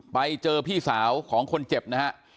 ไปเจอพี่สาวของคนเจ็บนะฮะ